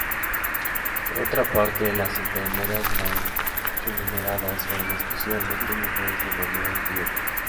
Por otra parte, las enfermeras no remuneradas fueron exclusivamente mujeres de manera encubierta.